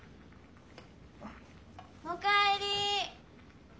おかえり。